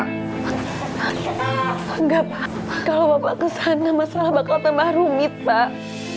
hai enggak kalau bapak kesana masalah bakal tembar rumit pak